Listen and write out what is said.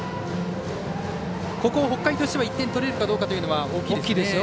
ここ、北海としては１点取れるかどうかが大きいですね。